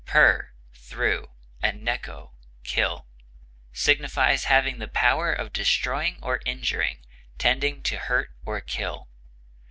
per, through, and neco, kill) signifies having the power of destroying or injuring, tending to hurt or kill.